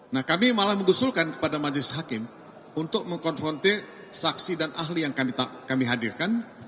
nah kami malah mengusulkan kepada majelis hakim untuk mengkonfrontir saksi dan ahli yang kami hadirkan